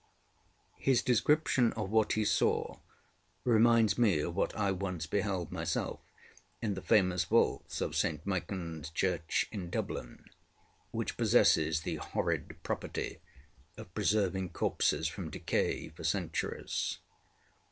His description of what he saw reminds me of what I once beheld myself in the famous vaults of St MichanŌĆÖs Church in Dublin, which possess the horrid property of preserving corpses from decay for centuries.